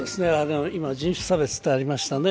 今、人種差別ってありましたね。